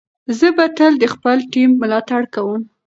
زه به تل د خپل ټیم ملاتړ کوم.